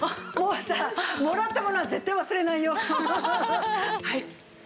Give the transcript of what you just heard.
もうさもらったものは絶対忘れないよ。